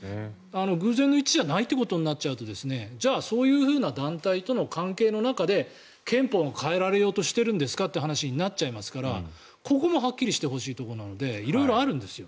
偶然の一致じゃないということになっちゃうとじゃあそういうふうな団体との関係の中で憲法も変えられようとしているんですかという話になるのでここもはっきりしてほしいところなので色々あるんですよ。